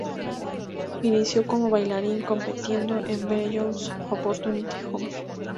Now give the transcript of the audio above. Inició como bailarín compitiendo en "Vere Johns' Opportunity Hour".